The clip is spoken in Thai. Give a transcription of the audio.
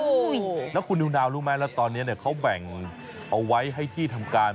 โอ้โหแล้วคุณนิวนาวรู้ไหมแล้วตอนนี้เนี่ยเขาแบ่งเอาไว้ให้ที่ทำการ